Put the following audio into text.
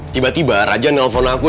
tiba tiba raja nelfon aku